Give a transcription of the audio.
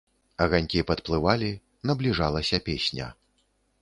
Аганькі падплывалі, набліжалася песня.